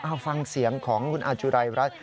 เอาฟังเสียงของคุณอาจุรายรัฐ